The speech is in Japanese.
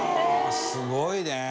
すごいね。